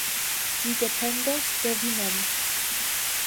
Ĝi dependos de vi mem.